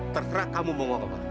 terperang kamu bapak